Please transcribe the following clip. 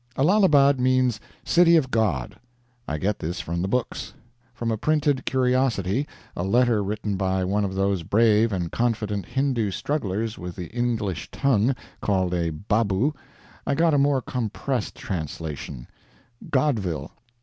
Allahabad means "City of God." I get this from the books. From a printed curiosity a letter written by one of those brave and confident Hindoo strugglers with the English tongue, called a "babu" I got a more compressed translation: "Godville."